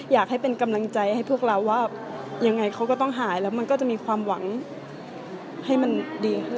อยากให้เป็นกำลังใจให้พวกเราว่ายังไงเขาก็ต้องหายแล้วมันก็จะมีความหวังให้มันดีขึ้น